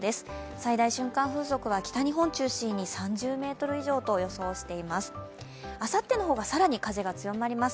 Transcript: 最大瞬間風速は北日本を中心に３０メートル以上と予想しています。